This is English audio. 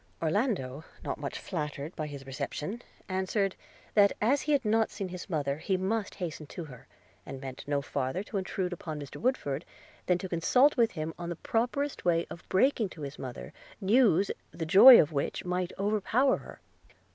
Orlando, not much flattered by his reception, answered, that as he had not seen his mother, he must hasten to her, and meant no farther to intrude upon Mr. Woodford, than to consult with him on the properest way of breaking to his mother, news the joy of which might overpower her.